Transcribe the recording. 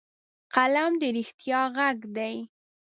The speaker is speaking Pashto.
قلم د رښتیا غږ دی